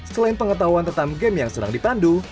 selain pengetahuan tentang game yang sedang dipandu